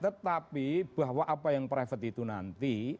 tetapi bahwa apa yang private itu nanti